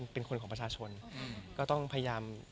ก็มีไปคุยกับคนที่เป็นคนแต่งเพลงแนวนี้